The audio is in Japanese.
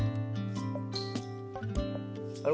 あれ？